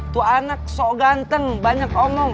tuh anak sok ganteng banyak omong